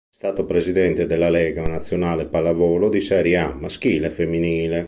È stato presidente della lega nazionale pallavolo di serie A maschile e femminile.